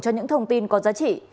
cho những thông tin có giá trị